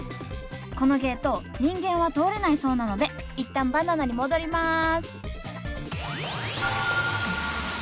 このゲート人間は通れないそうなので一旦バナナに戻ります！